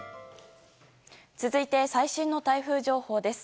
続いて最新の台風情報です。